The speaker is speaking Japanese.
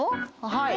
はい。